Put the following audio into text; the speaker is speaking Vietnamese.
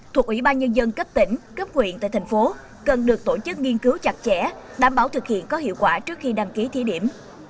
thuộc ubnd tp hcm cần được tổ chức nghiên cứu chặt chẽ đảm bảo thực hiện có hiệu quả trước khi đăng ký thí điểm